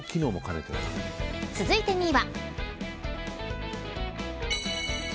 続いて２位は。